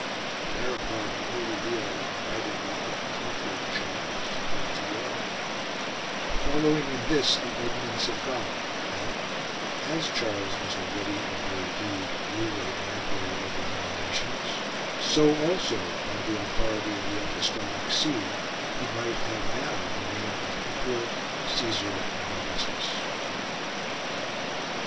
Thereupon the holy Leo invited the unconquered Charles to come to Rome ; following in this the ordinance of God, that, as Charles was already in very deed ruler and emperor over many nations, so also by the authority of the apostolic see he might have now the name of Em peror, Cassar and Augustus.